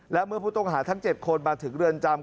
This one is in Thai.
และเมื่อผู้ต้องหาทั้ง๗คนมาถึงเรือนจำ